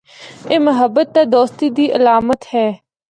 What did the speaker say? اے محبت تے دوستی دی علامت ہے۔